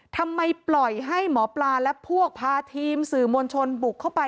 ทำไมปล่อยให้หมอปลาและพวกพาทีมสื่อมวลชนบุกเข้าไป